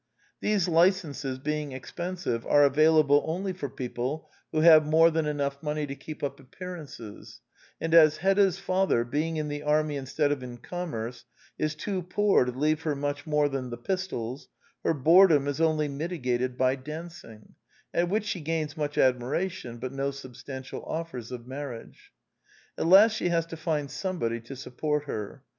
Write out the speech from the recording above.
These licenses, being expensive, are available only for people who have more than enough money to keep up appearances; and as Hedda's father, being in the army instead of in commerce, is too poor to leave her much more than the pistols, her boredom is only mitigated by dancing, at which she gains much admiration, but no substantial offers of marriage. At last she has to find somebody to support her.